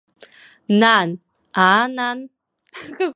Нан, аа, нан!